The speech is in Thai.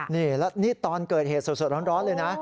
นี่ตอนเกิดเหตุสดร้อนเลยนะ